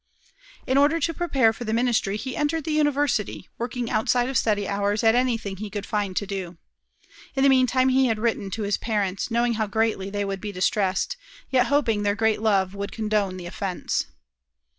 In order to prepare for the ministry he entered the university, working outside of study hours at anything he could find to do. In the meantime he had written to his parents, knowing how greatly they would be distressed, yet hoping their great love would condone the offense.